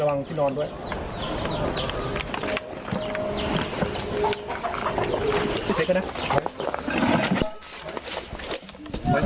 สวัสดีครับคุณผู้ชาย